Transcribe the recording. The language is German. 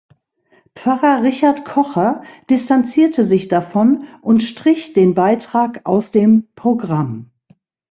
Pfarrer Richard Kocher distanzierte sich davon und strich den Beitrag aus dem Programm.